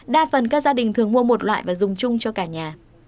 đa phần các gia đình thường mua một loại và dùng chung cho cả nhà